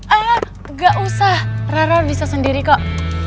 ah gak usah rara bisa sendiri kok